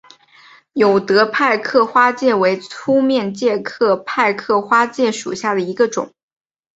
有德派克花介为粗面介科派克花介属下的一个种。